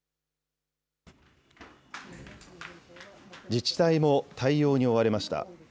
自治体も対応に追われました。